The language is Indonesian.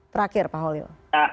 terakhir pak holid